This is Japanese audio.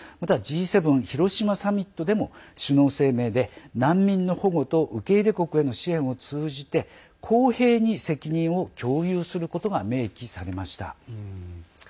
また、Ｇ７広島サミットでも首脳声明で難民の保護と受け入れ国への支援を通じて公平に責任を共有することが明記されました。